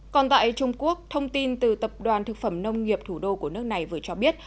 còn tại trung quốc thông tin từ tập đoàn thực phẩm nông nghiệp thủ đô của nước này vừa cho biết